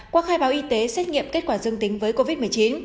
qua khai báo y tế xét nghiệm kết quả dương tính với covid một mươi chín